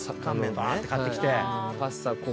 ばーって買ってきて。